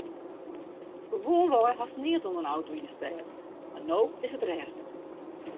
Gewoanwei hast neat oan in auto yn 'e stêd mar no is it rêstich.